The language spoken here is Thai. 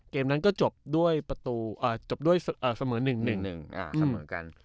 เกมนั้นก็จบด้วยสำเหรอนึง